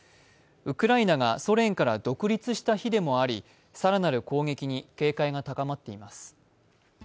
ウクライナがソ連から独立した日でもあり、更なる攻撃に警戒が高まっています。